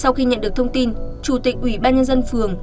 sau khi nhận được thông tin chủ tịch ủy ban nhân dân phường